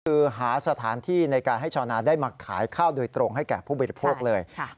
คือหาสถานที่ในการให้ชาวนาได้มาขายข้าวโดยตรงให้แก่ผู้บริโภคเลย